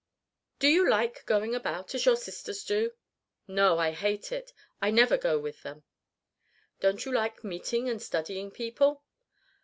"Do you like going about, as your sisters do?" "No, I hate it. I never go with them." "Don't you like meeting and studying people?"